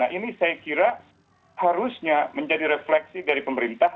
ini saya kira harusnya menjadi refleksi dari pemerintah